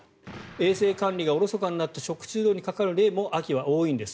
衛生管理がおろそかになって食中毒になる例も秋は多いんです。